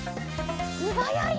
すばやいな！